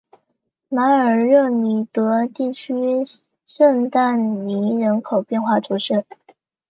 马尔热里德地区圣但尼人口变化图示